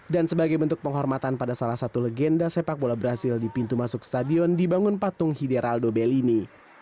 sebagai bentuk penghormatan pada salah satu legenda sepak bola brazil di pintu masuk stadion dibangun patung hideraldo bel ini